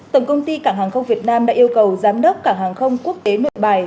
tổng công ty cảng hàng không việt nam đã yêu cầu giám đốc cảng hàng không quốc tế nội bài